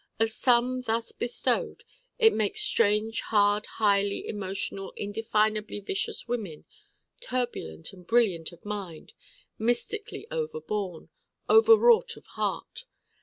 Of some thus bestowed it makes strange hard highly emotional indefinably vicious women, turbulent and brilliant of mind, mystically overborne, overwrought of heart.